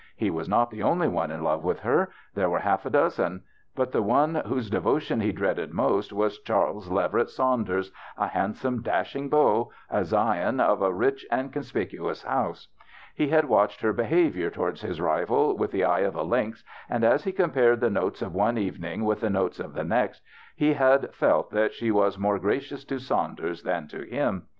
He was not the only one in love with her ; there were half a dozen ; but the one whose devotion he dreaded most was Charles Leverett Saunders, a handsome dashing beau, a scion of a rich and conspicu ous house. He had watched her behavior toward his rival with the eye of a lynx, and as he comi3ared the notes of one evening with the notes of the next he had felt that she was more gracious to Saunders than to him.